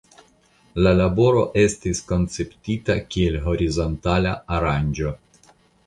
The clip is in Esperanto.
La laboro estis konceptita kiel horizontala aranĝo.